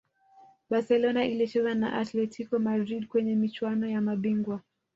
Barcelona ilicheza na Atletico Madrid kwenye michuano ya mabingwa